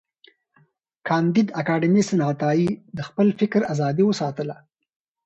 کانديد اکاډميسن عطایي د خپل فکر آزادی وساتله.